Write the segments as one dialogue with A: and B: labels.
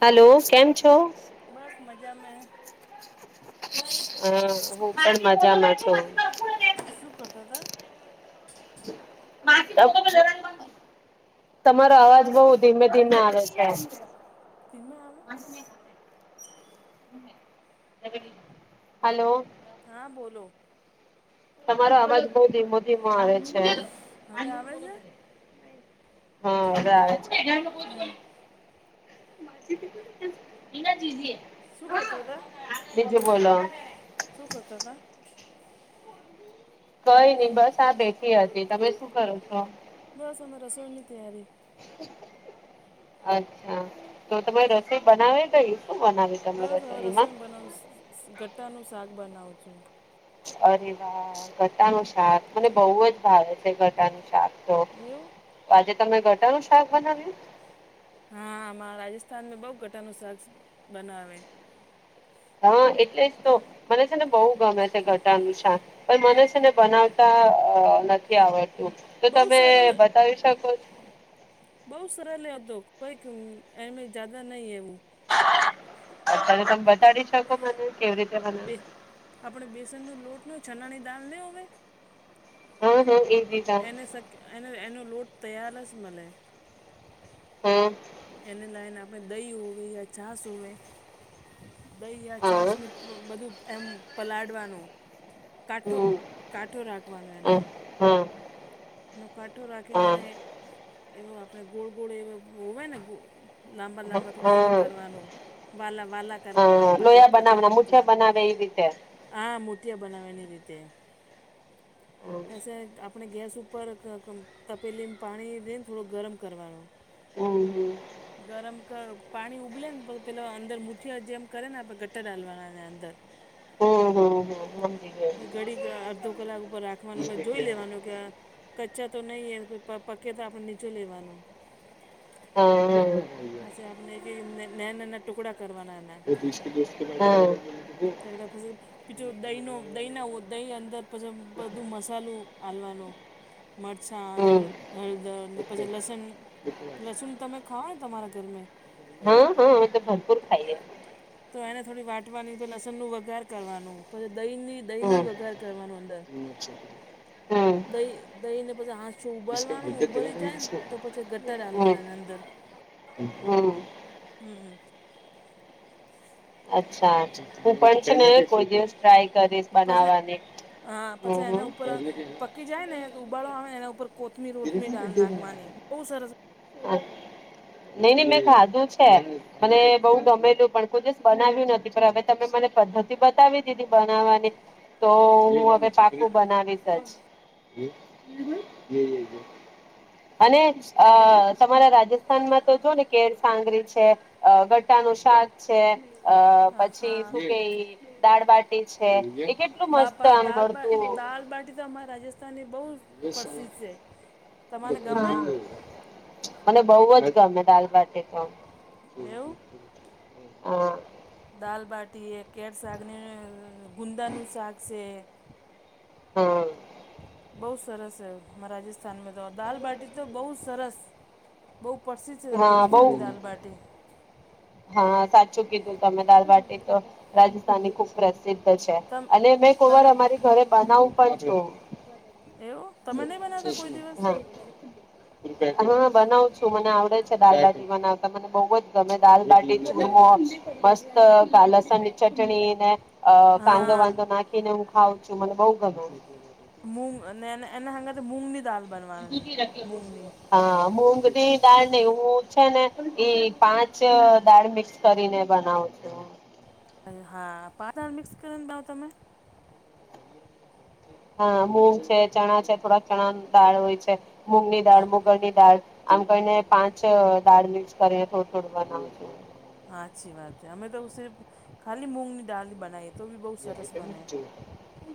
A: Hello કેમ છો.
B: બસ મજા મે
A: હા હું પણ મજામાં છું.
B: શું કરતા હતા.
A: [inaudible] તમારો અવાજ બઉુ ધીમે ધીમે આવે છે.
B: ધીમે આવે.
A: [inaudible] હલો.
B: હા બોલો.
A: તમારો અવાજ બહુ ધીમો ધીમો આવે છે.
B: હવે આવે છે.
A: હ હવે આવે
B: હમ
A: છે. ટીના જીજી
B: શું કરતા હતા શું કરતા હતા.
A: કઈ નઈ બસ આ બેઠી હતી તમે શું કરો છો.
B: બસ અમે રસોની ત્યારી
A: અચ્છા તો તમારી રસોઈ બનાવી ગય શું બનાવી. તમે
B: બસ હવે
A: રસોઈમાં
B: રસોઈ બનાવ ગટ્ટા નું શાક બનાવ છુ
A: અરે વા ગટા નુ શાક મને બહુ જ ભાવે છે ગટા નું શાક. તો
B: એવું
A: આજે તમે ગટાનું શાક બનાવ્યું.
B: હા અમારા રાજસ્થાનમાં બહુ ગટાનું શાક બનાવે.
A: હા એટલે જ તો મને છે ને બહુ ગમે છે ગટાનું શાક પણ મને છે ને બનાવતા નથી આવડતું તો,
B: બહુ
A: તમે
B: સરલ
A: બતાવી શકો છ.
B: બઉુ સરળ હતો કોઈક એમે જદા નહી એવું.
A: અત્યારે તમે બતાડી શકો મને કેવી રીતે બને?
B: બે આપણે બેસન નો લોટ ને ચનાની દાલ ને હોવે.
A: હમ હ એ [unintelligible]
B: એને શક એને એનો લોટ તૈયાર જ મળે.
A: હમ.
B: એને લઈને આપણે દહી હોવી યા છાસ હોવી, દહી યા છાસ
A: હા
B: ને. બધું એમ પલાળવાનું, કાઠો
A: હમ
B: કાઠો રાખવાનું એને.
A: હા હા
B: નો કાંઠો રાખીને
A: હા
B: એને એવો આપણે ગોળ ગોળ એવો હોવે ને. લાંબા
A: હા
B: લાંબા થોડા એવો
A: હા
B: કરવાનું, વાલા વાલા કરવાના
A: લોયા
B: પાતલા પાતલા
A: બનાવના મુઠિયા
B: પાતલા.
A: બનાવે એ રીતે
B: આા મુઠિયા બનાવેની રીતે,
A: હમ
B: પેછે આપણે ગેસ ઉપર ઉપર તપેલી પાણી લઈને થોડો ગરમ કરવાનો.
A: [unintelligible]
B: ગરમ કર પાણી ઉબલે ને તો પેલાં અંદર મુઠિયા જેમ કરે ને આપણે ગટ્ટા ડાલવાનાને અંદર.
A: ઓહો હો સમજી ગય.
B: ઘડીક અડધો કલાક ઉપર રાખવાનો પછ જોઈ લેવાનું કે કચ્ચા તો નહીં હે પકે તો આપણે નીચું લેવાનું.
A: હા હા.
B: પછી આપણે ક નાના નાના ટુકડા કરવાના એના.
A: હોવ.
B: [unintelligible] પીછો દહીંનો દહીં ના દહીં અંદર પછી બધું મસાલું આલવાનો. મરચાં અને
A: હમ
B: હળદર ને પછી લસણ લસુણ તમે ખાઓ ને તમારા ઘરમે?
A: હવે તો ભરપુર ખાઈએ.
B: તો એને થોડી વાટવાની લસણનું વઘાર કરવાનું પછી દહીની દહી નુંય
A: હમ
B: વઘાર કરવાનું અંદર,
A: હમ
B: દહી દહીને પછી હ જો ઉબાલવાનું ઉબલી જાયને તો પછી ગટ્ટા ડાલવાનાં
A: હમ
B: અંદર.
A: હમ
B: હમ.
A: અચ્છા, હું પણ છ ને કોઈ દિવસ ટ્રાય કરીશ.
B: પછી
A: બનાવવાની
B: હા
A: હમ
B: પછી એના
A: હમ
B: ઉપર, પ જાય ને તો ઉબાળો આવે ને એના ઉપર કોથમીર ઓથમીર ડાળ નાખવાની બહું સરસ
A: નઈ નઈ મેં ખાધું છે એ. મને બહુ ગમેલું પણ કોઈ દિવસ બનાવ્યું નથી પણ હવે તમે મને પદ્ધતિ બતાવી દીધી બનાવવાની. તો હું હવે પાકું બનાવીશ જ. [unintelligible] અને અ તમારા રાજસ્થાનમાં તો જો ને સાંગરી છે. અ ગટ્ટા નું શાક છે, અ પછી શું કે દાળબાટી એ કેટલું મસ્ત આમ મળતું.
B: જો અમારા રાજસ્થાનની બહુ પ્રસિદ્ધ છે. તમારે
A: હ,
B: ગમે
A: મને બઉ જ ગમે દાલ બાટી તો.
B: એવું
A: ઓહો હો.
B: દાલબાટી એ કે શાકને ગુંદાનું શાક છે.
A: હમ.
B: બહુ સરસ છે અમારા રાજસ્થાનમાં તો દાલ બાટી તો બહુ સરસ બહુ પ્રસિદ્ધ છે
A: હા બઉ
B: રાજસ્થની દાલબાટી
A: હા સાચું કીધું તમે દાલ બાટી તો રાજસ્થાની ખુબ પ્ર છે
B: તમ
A: અને મેં કોઈ વાર
B: તમે
A: અમારી ઘરે બનાવું પણ છું
B: એવું તમે નહી બનાતા કોઈ દિવસ
A: હા બનાવું છું મને આવડે છે દાલ બાટી બનાવતા મને બહુ જ ગમે દાલ બાાટી ચૂરમો મસ્ત કા લસન ચટણી ને અ કાંદો
B: હા
A: વાંદો નાખી ને હું ખાઉ છું મને બઉ ગમે
B: મૂગ અને એના હાતે મૂગની દાલ બનવાની મૂગની
A: હા મૂગની દાળ ને એવું છે ને એ પાંચ દાળ મિક્સ કરીને બનાવ છું.
B: હા પાચ દાડ મિક્સ કરી ને ભાવ તમે
A: હા મૂગ છે ચણા છે થોડાક ચણા દાળ હોય છે. મૂગની
B: હા
A: દાળ મુગરની દાળ આમ કરી ને પાંચ દાળ ની જ કરીને થોડું થોડું બનાવુ છું.
B: હા અચ્છી વાત હે અમે તો સીર્ફ ખાલી મૂગ ની દાળ બનાઈએ તો બી બહુ સરસ બને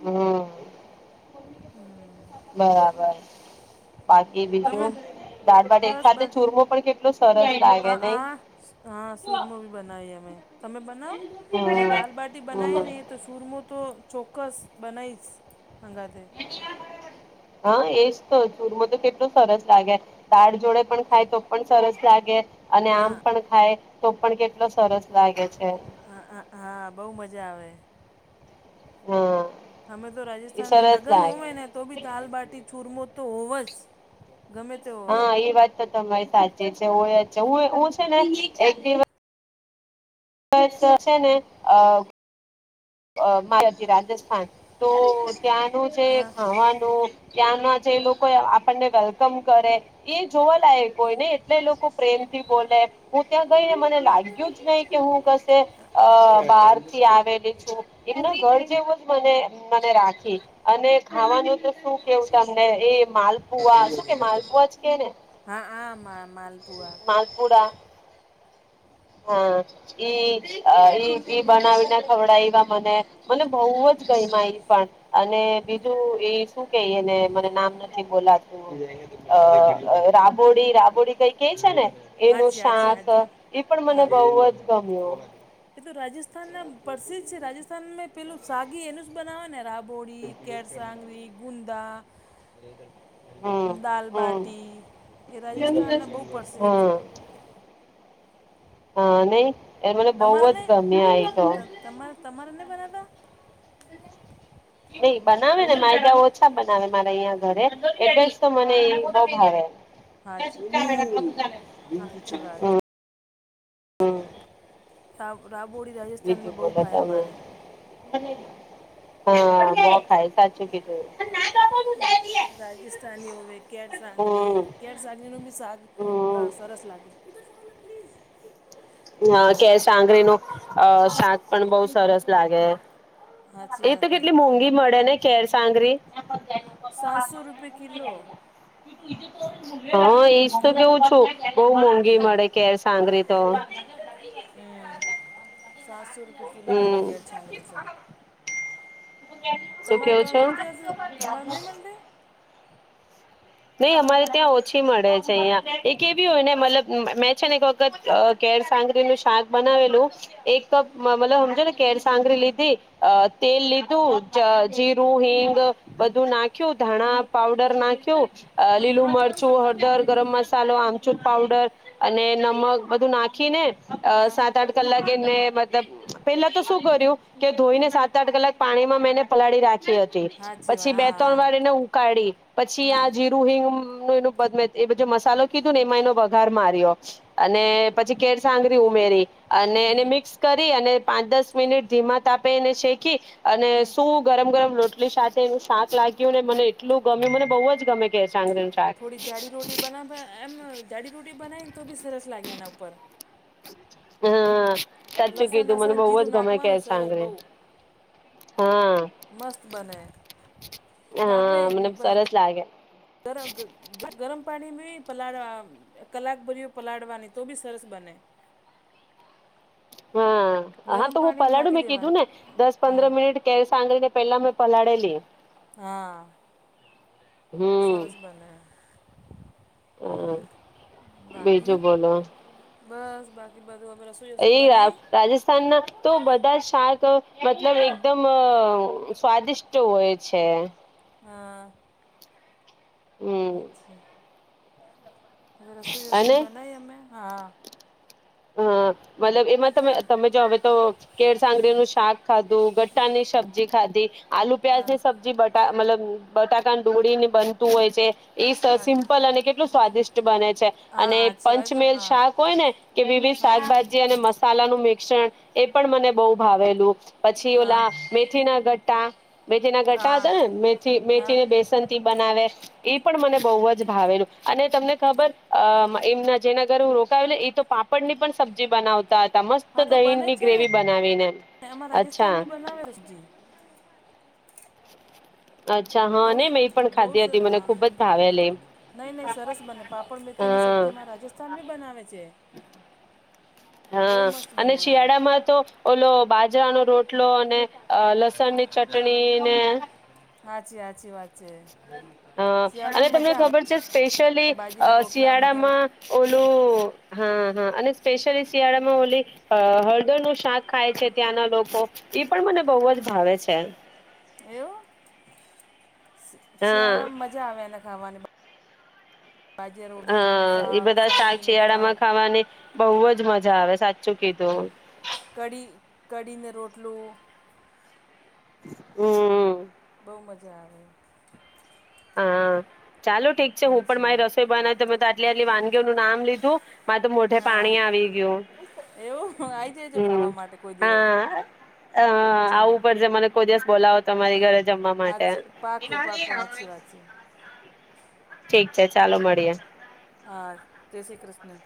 A: હમ્મ.
B: હમ્મ.
A: બરાબર બાકી
B: તમે
A: બીજું દાડ બાટી
B: બસ
A: સાથે
B: બાકી
A: ચૂરમો પણ કેટ કેટલું સરસ લાગે નઈ
B: હા હ હા સુરમો બી બનાવી અમે તમે બનાવો અમે
A: હમ
B: દાલબાટી બનાવી
A: હમ
B: ને તો સુરમો તો ચોક્કસ બનાવીશ હગાથે
A: હા એજ તો ચૂરમાં તો કેટલું સરસ લાગે દાળ જોડે પણ ખાય તો પણ સરસ લાગે અને આમ
B: હા
A: પણ ખાય તો પણ કેટલો સરસ લાગે છે.
B: હા હા બહુ મજા આવે હે
A: હા.
B: હમે તો
A: એ
B: રાજસ્થાનમાં
A: સરસ
B: લગન હો
A: લાગે
B: વેને તો બી દાલ બાટી ચૂરમો તો હોવ જ ગમે તે હોય
A: હા એ વાત તો તમારી સાચી છે હોય જું હું છે ને એક દિવસ ને થશે ને અ અ માર રાજસ્થાન તો ત્યાંનું છે
B: હા
A: ખાવાનું ત્યાંના જે લોકો આપણને વેલકમ કરે એ જોવાલાયક કોઈને એટલે લોકો પ્રેમ થી બોલે હું ત્યાં ગઈને મને લાગ્યું. નઈ કે હું કશે અ બહાર થી આવેલી છું એમના ઘર જેવું મને મને રાખી અને ખાવાનું તો શું કેવું તમને એ માલપુઆ શું કે માલપુવા જ કે ને
B: હા હા. માં મા માલપુવા
A: માલપુરા હા ઈ ઈ બનાવી ના ખવડાવી તો મને મને બહુ જ ગઈ મા એ પણ અને બીજું એ શું કેહીયને મને નામ નથી બોલાતું અ રાબોડી રાબોડી કઈ કે છે ને એનું
B: હાચી હાચી
A: શાક
B: હાચી
A: એ પણ મને
B: હા
A: બહુ જ ગમ્યું.
B: એ તો રાજસ્થાન ના પ્રસિદ્ધ છે. રાજસ્થાન મેં પેલું સાગી એનું જ બનાવે ને રાબ? બોડી, કેર સાંગવી, ગુંદા
A: હમ હમ
B: દાલબાટી એ રાજસ્થાનના બહુ પ્રસિદ્ધ છે.
A: હમ હા નહીં. એ મને બહુ જ ગમ્યાં એ તો.
B: તમાર તમારે નહીં બનાવતા?
A: નહીં બનાવે ને, માંડા ઓછા બનાવે મારા અહીંયા ઘરે, એટલે જ તો મને ઈ બહું ભાવે.
B: હા સાચી વાત
A: [unintelligible]
B: છે. [unintelligible] રાબોડી
A: બીજું
B: રાજસ્થાનમાં બહુ
A: બોલો
B: ખાયે
A: તમે
B: અમારે.
A: હા બહું ખાય. સાચું કીધ
B: રાજસ્થાનની હોવે કેર સાંગરી,
A: હમ
B: કેર સાંગરીનું બી શાગ
A: હમ
B: અહ સરસ લાગે.
A: [unintelligible] કેર સાંગરીનું અહ શાક પણ બહું સરસ લાગે.
B: સાચી
A: એ
B: વાત
A: તો
B: છે
A: કેટલી મોંઘી મળે ને કેર સાંગરી?
B: સાતસો રૂપિયા કિલો.
A: [inaudible] હા ઈજ તો
B: હા
A: કેવું છું. બહું મોંઘી
B: હમ
A: મળે કેરસાંગરી તો. [inaudible]
B: હમ્મ. સાતસો રૂપિયા કિલો [unintelligible] તો.
A: શું
B: તમારે
A: કેવું
B: ત્યાં
A: છો
B: મલતી હશે, તમારે નહીં મલતે?
A: નહીં અમારે ત્યાં ઓછી મળે છે અહિયાં. એક એ બી હોય ને મતલબ મેં છે ને એક વ ખત કેરસાંગરી નું શાક બનાવેલું એક કપ મ મતલબ હમજો ને કેરસાંગરી લીધી, તેલ લીધું ચ જીરું, હિંગ, બધું નાખ્યું. ધાણા પાવડર નાખ્યું. અહ લીલું મરચ ચું, હળદર, ગરમ મસાલો, આમચૂર પાવડર અને નમક બધું નાખી ને અહ
B: હા
A: સાત-આઠ કલાક એને મતલબ, પેલા તો શું કર્યું કે ધોઈને સાત ત આઠ કલાક પાણીમાં મેં એને પલાળી રાખી હતી.
B: હાચી વાત
A: પછી બે
B: હા
A: તણ
B: હા
A: વાર એને ઉકાળી. પછી
B: ના
A: [unintelligible] [unintelligible] એ બધો મસાલો કીધો ને એમાં એનો વઘાર માર્યો.
B: હા
A: અને પછી કેર સાંગરી ઉમેરી, અને એને
B: હમ
A: મિક્સ કરી અને પાંચ દસ મિનિટ ધીમા તાપે એને શેકી અને સૂપ ગરમ-ગરમ રોટલી સાથે એનું શાક લાગ્યું ને. મને એટલું ગમ્યું. મને બહુ જ ગમે કેરસાંગરીનું
B: થોડી જાડી રોટી બનાવતા એમ જાડી રોટી બનાવીન તો બી સરસ લાગે એના ઉપર.
A: હા. સાચું કીધું મને
B: લસન-લસન,
A: બહુ
B: જીરું
A: જ ગમે
B: નાખવાનું
A: કેળ
B: સરસ બહુ.
A: સાંગરી હા.
B: મસ્ત બને. તો આપણે
A: હા મને સરસ લાગે
B: [unintelligible] [inaudible] ગરમ પાણી મે પલાળવા, કલાક [unintelligible] પલાળવાની તો બી સરસ બને.
A: હા. હા
B: ગરમ
A: તો હું
B: પાણીમાં
A: પલાળું,
B: નાખી
A: મેં કીધું
B: દેવાની
A: ને. દસ
B: હા
A: પંદ્રહ મિનિટ કેર સાંગરી ને પેલા મે પલાળેલી.
B: હા. એ
A: હમ
B: સરસ બને.
A: હમ્મ.
B: બાકી
A: બીજું બોલો.
B: બસ બાકી બધું [unintelligible] બનાવી
A: [unintelligible] [unintelligible] તો બધા શાક મતલબ એકદમ અહ સ્વાદિષ્ટ હોય છે.
B: હા.
A: હમ
B: અચ્છા હવે રસોઈ રસોઈ
A: અને
B: બનાવી અમે હા
A: હા મતલબ એમાં તમે તમે જો હવે તો કેળ સાંગળનું શાક ખાધું [unintelligible] ની સબ્જી ખાધી આલુ પ્યાજ
B: હા
A: ની સબ્જી બ મતલબ બટાકા ડોળી ને બનતું હોય છે એ
B: હા
A: સિમ્પલ અને કેટલું સ્વાદિષ્ટ બને છે
B: હા
A: અને
B: હાચી વાત
A: પંચમેલ
B: હા
A: શાક હોય ને કે [unintelligible]
B: હા
A: શાકભાજી અને મસાલાનું મિશ્રણ એ પણ મને બહ ભાવેલું પછી
B: હા
A: ઓલા વે મેથી ના ગટ્ટા મેથી ના ગટા હતા
B: હા
A: ને મેથી
B: હા
A: મેથીને બેસન થી બનાવે એ પણ મને બહ જ ભાવે એમ અને તમને ખબર એમના જેના ઘરે હું રોકાવેલી એ તો પાપ પડની પણ સબ્જી બનાવતા હતા મસ્ત
B: હા તો
A: દહીં
B: બને જ
A: ની
B: છે ને
A: ગ્રેવી બનાવીને
B: એમાં
A: અચ્છા
B: [unintelligible]
A: અચ્છા હા
B: બહુ
A: ને મેં એ પણ
B: બહુ
A: ખાધી
B: સર
A: હતી મને
B: હા
A: ખુબ જ ભાવેલી
B: નહીં નહીં સરસ બને પાપડ મેથીની
A: હા
B: સબ્જી અમારા રાજસ્થાન બી બનાવે છે
A: હા
B: બહુ મસ્ત
A: અને
B: બને આ
A: શિયાળા માં તો ઓલો બાજરાનો રોટલો અને લસ લસણની ચટણી ને
B: હાચી હાચી વાત છે
A: હા અને
B: શિયાળામાં
A: તમને
B: મજા આવે
A: ખબર છે સ્પેશયલી
B: બાજીના રોટલા મકીના
A: શિયાળામાં ઓલો હા હા અને સ્પેશ્યલી શિયાળામાં ઓલી હળદરનું શાક ખાય છે ત્યાંના લોકો એ પણ મને બહુ જ ભાવે છે
B: એવું
A: હા
B: શિયાળામાં મજા આવે એને ખાવાની બાજરો ભૂણીનું શાક સાંગળીનું શાક
A: વાને બહુ જ મજા આવે સાચું કીધું
B: કડી કડીને રોટલું
A: હમ
B: બહુ મજા આવે.
A: હા ચાલો ઠીક છે હું પણ
B: હાચી
A: મારી
B: વાત
A: રસોઈ બનાવું તમે તો આટલી આટલી વાનગીઓનું નામ લીધું મારે તો મોઢે
B: હા
A: પાણી આવી ગયું
B: એવું હું આવી જજો ખાવા માટે કોઈ દિવસ
A: હ આવું
B: સારું
A: પડશે મને કોઈ દિવસ બોલાવો તમારી ઘરે જમવા માટે
B: હાચી પાકું પાકું હાચી વાત છે
A: ઠીક છે ચાલો મળીએે
B: હા જય શ્રી કૃષ્ણ